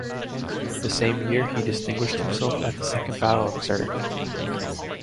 The same year he distinguished himself at the Second Battle of Zurich.